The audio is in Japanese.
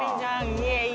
イエーイ！